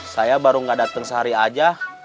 saya baru nggak datang sehari aja